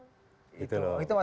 karena menikmati pak